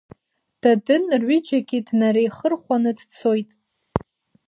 Дадын рҩыџьагьы днареихырхәаны дцоит.